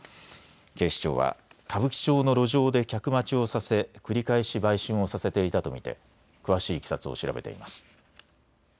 警視庁は歌舞伎町の路上で客待ちをさせ繰り返し売春をさせていたと見て詳しいいきさつを調べています。